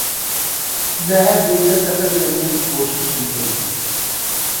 زہر دے کر قتل کرنے کی کوشش کی گئی